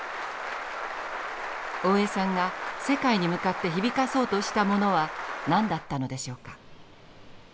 大江さんが世界に向かって響かそうとしたものは何だったのでしょうか。